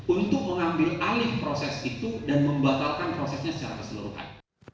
untuk mengambil alih proses itu dan membatalkan prosesnya secara keseluruhan